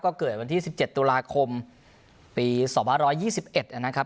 ก็เกิดวันที่สิบเจ็ดตุลาคมปีสองพันร้อยยี่สิบเอ็ดนะครับ